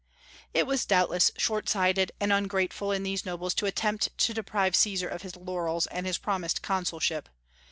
It was doubtless shortsighted and ungrateful in these nobles to attempt to deprive Caesar of his laurels and his promised consulship.